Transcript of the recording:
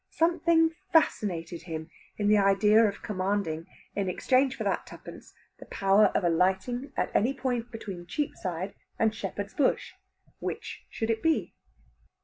Something fascinated him in the idea of commanding, in exchange for that twopence, the power of alighting at any point between Cheapside and Shepherd's Bush. Which should it be?